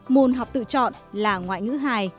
môn học tự chọn là ngoại ngữ hai